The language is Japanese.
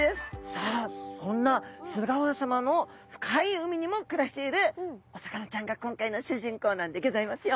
さあそんな駿河湾さまの深い海にも暮らしているお魚ちゃんが今回の主人公なんでギョざいますよ。